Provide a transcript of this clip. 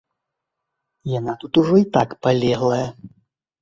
Яна тут ужо і так палеглая.